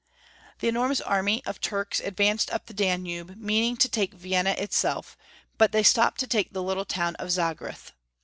The enormous army of Turks ad vanced up the Danube, meaning to take Vienna itself, but they stopped to take the little town of Zagreth.